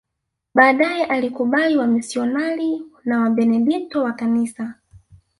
Baadae alikubali wamisionari na Wabenedikto wa kanisa